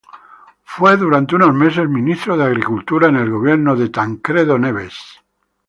Fue durante unos meses ministro de Agricultura en el gobierno de Tancredo Neves.